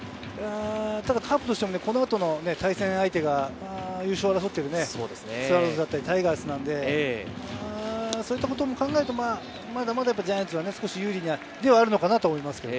カープとしても、この後の対戦相手が優勝を争っているスワローズだったり、タイガースなので、そういったことも考えると、まだジャイアンツは有利ではあるのかなと思います。